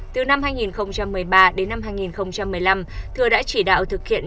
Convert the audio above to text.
từ năm hai nghìn một mươi ba đến năm hai nghìn một mươi năm thừa đã chỉ đạo thực hiện